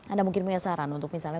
anda mungkin punya saran untuk misalnya